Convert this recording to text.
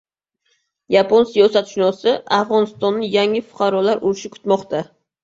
Yapon siyosatshunosi: Afg‘onistonni yangi fuqarolar urushi kutmoqda